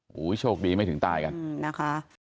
โอ้โหโชคดีไม่ถึงตายกันนะคะ